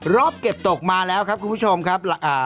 รอบเก็บตกมาแล้วครับคุณผู้ชมครับ